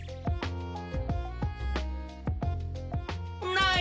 ない！